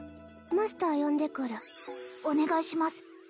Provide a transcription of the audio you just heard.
マスター呼んでくるお願いします